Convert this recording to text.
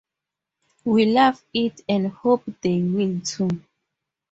We love it and hope they will too!